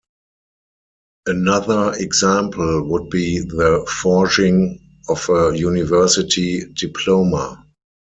Another example would be the forging of a university diploma.